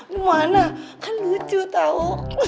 gimana kan lucu tau